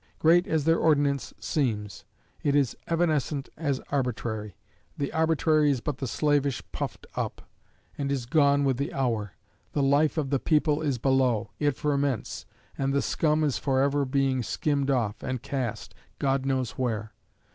Great as their ordinance seems, it is evanescent as arbitrary: the arbitrary is but the slavish puffed up and is gone with the hour. The life of the people is below; it ferments, and the scum is for ever being skimmed off, and cast God knows where.